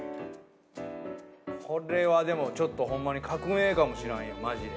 これはでもちょっとホンマに革命かもしらんよマジで。